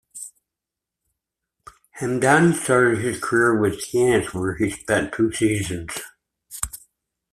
Hemdani started his career with Cannes, where he spent two seasons.